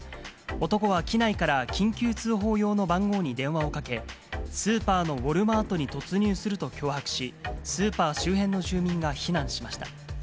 男は機内から緊急通報用の番号に電話をかけ、スーパーのウォルマートに突入すると脅迫し、スーパー周辺の住民が避難しました。